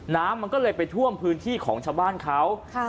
น้ำมันก็เลยไปท่วมพื้นที่ของชาวบ้านเขา